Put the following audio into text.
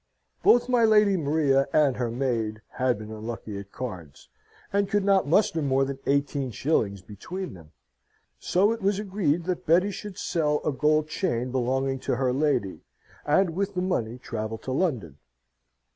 Both my Lady Maria and her maid had been unlucky at cards, and could not muster more than eighteen shillings between them: so it was agreed that Betty should sell a gold chain belonging to her lady, and with the money travel to London.